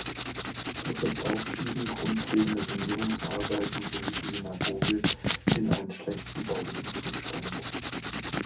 Durch das Aufschieben grundlegender Sanierungsarbeiten geriet die Synagoge in einen schlechten baulichen Zustand.